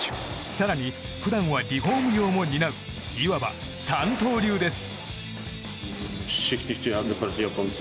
更に普段はリフォーム業も担ういわば三刀流です。